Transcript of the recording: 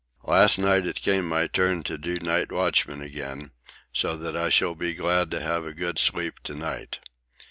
Last night it came to my turn to do night watchman again, so that I shall be glad to have a good sleep to night.